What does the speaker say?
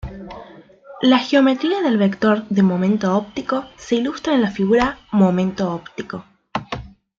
La geometría del vector de momento óptico se ilustra en la figura "momento óptico".